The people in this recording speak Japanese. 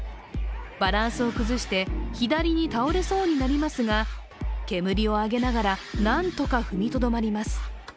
バランスを崩して左に倒れそうになりますが、煙を上げながら、なんとか踏みとどまります。